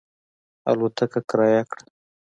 الوتکه کرایه کړه.